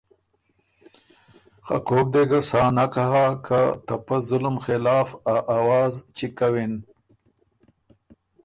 خه کوک دې ګۀ سا نک هۀ که ته پۀ ظلم خلاف ا آواز چِګ کوِن